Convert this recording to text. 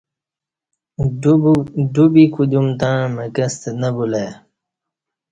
ڈوبی کودیوم تݩع مکستہ نہ بُلہ ای